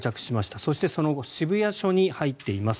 そして、その後渋谷署に入っています。